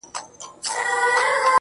چي بیا يې ونه وینم ومي نه ويني ه